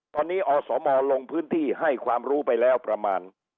ตอนนี้อสมลงพื้นที่ให้ความรู้ไปแล้วประมาณ